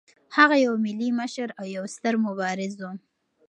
هغه یو ملي مشر او یو ستر مبارز و.